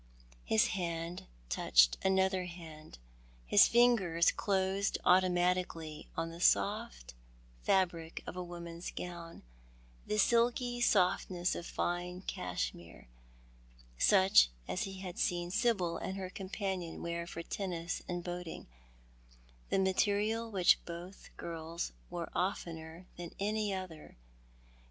His hand touched another hand, his fingers closed automatically on the soft fabric of a woman's gown, the silky softness of fine cashmere, such as he had seen Sibyl and her companion wear for tennis and boating, the material which both girls wore oftener than any other.